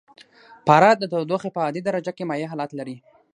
پاره د تودوخې په عادي درجه کې مایع حالت لري.